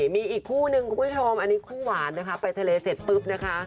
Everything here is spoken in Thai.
มีอีกคู่นึงคุณผู้ชมอันนี้คู่หวานนะคะไปทะเลเสร็จปุ๊บนะคะ